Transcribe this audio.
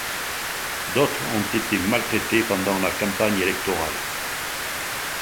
D'autres ont été maltraités pendant la campagne électorale.